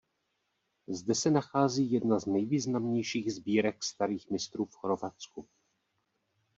Zde se nachází jedna z nejvýznamnějších sbírek starých mistrů v Chorvatsku.